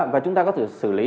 và chúng ta có thể xử lý